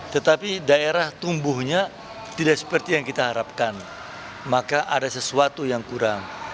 tetapi daerah tumbuhnya tidak seperti yang kita harapkan maka ada sesuatu yang kurang